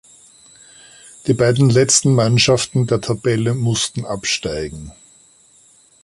Die beiden letzten Mannschaften der Tabelle mussten absteigen.